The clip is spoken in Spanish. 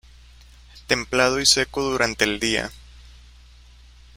Templado y seco durante el día.